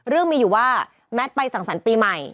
เรื่องมีอยู่ว่าแมทไปสั่งสรรค์ปีใหม่